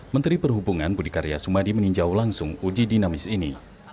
menteri perhubungan budi karyasumadi meninjau langsung uji dinamis ini